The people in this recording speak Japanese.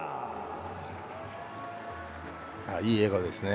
いい笑顔ですね。